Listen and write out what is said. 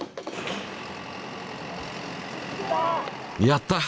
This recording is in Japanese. やった！